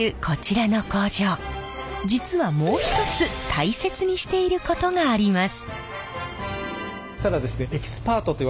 実はもう一つ大切にしていることがあります。